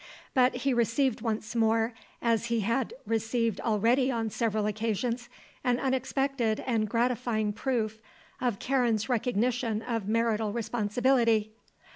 But he received once more, as he had received already on several occasions, an unexpected and gratifying proof of Karen's recognition of marital responsibility.